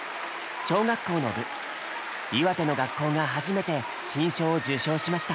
小学校の部岩手の学校が初めて金賞を受賞しました。